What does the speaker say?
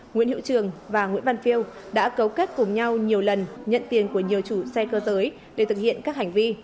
nguyễn hiệu trường và nguyễn văn phiêu đã cấu kết cùng nhau nhiều lần nhận tiền của nhiều chủ xe cơ giới để thực hiện các hành vi